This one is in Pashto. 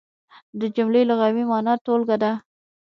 د جملې لغوي مانا ټولګه ده.